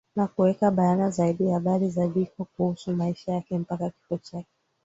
Na kuweka bayana zaidi habari za Biko kuhusu maisha yake mpaka kifo chake